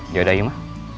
yaudah yuk ma